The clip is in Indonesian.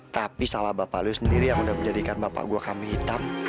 tapi salah bapak lu sendiri yang udah menjadikan bapak gua kami hitam